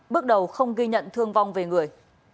bước đầu không ghi nhận thương vong về người